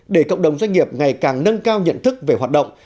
để cộng đồng doanh nghiệp ngày càng nâng cao nhận thức về hoạt động